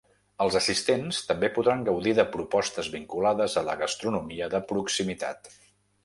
Es assistents també podran gaudir de propostes vinculades a la gastronomia de proximitat.